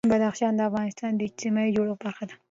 بدخشان د افغانستان د اجتماعي جوړښت برخه ده.